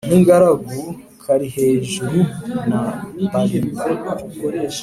N’ingaragu Kalihejuru na Bariba.